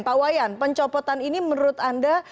pak wayan pencopotan ini menurut anda